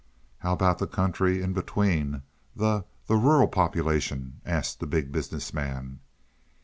"How about the country in between, the the rural population?" asked the Big Business Man.